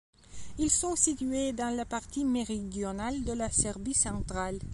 Ils sont situés dans la partie méridionale de la Serbie centrale.